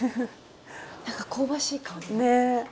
何か香ばしい香りが。ね。